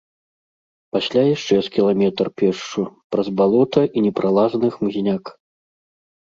Пасля яшчэ з кіламетр пешшу, праз балота і непралазны хмызняк.